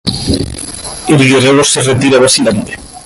El guerrero se retira, vacilante.